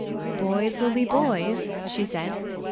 "Boys will be boys," she said.